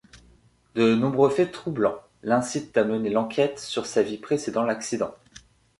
De nombreux faits troublants l’incitent à mener l’enquête sur sa vie précédent l'accident.